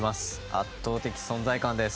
圧倒的存在感です。